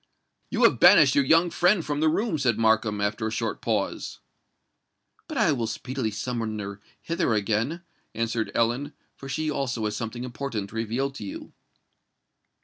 "You have banished your young friend from the room," said Markham, after a short pause. "But I will speedily summon her hither again," answered Ellen; "for she also has something important to reveal to you."